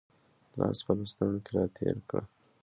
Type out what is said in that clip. لاس په لستوڼي کې را تېر کړه